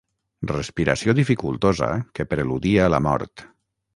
Respiració dificultosa que preludia la mort.